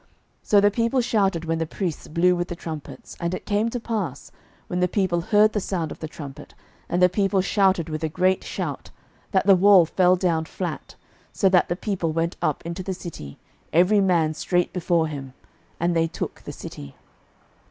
06:006:020 So the people shouted when the priests blew with the trumpets: and it came to pass, when the people heard the sound of the trumpet, and the people shouted with a great shout, that the wall fell down flat, so that the people went up into the city, every man straight before him, and they took the city.